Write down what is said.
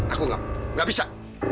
aku gak mau gak bisa